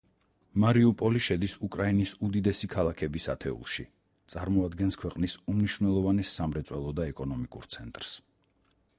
მარიუპოლი შედის უკრაინის უდიდესი ქალაქების ათეულში, წარმოადგენს ქვეყნის უმნიშვნელოვანეს სამრეწველო და ეკონომიკურ ცენტრს.